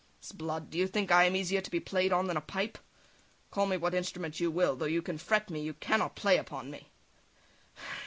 S'blood! Do you think I am easier to be played on than a pipe? Call me what instrument you will, though you can fret me, you cannot play upon me!"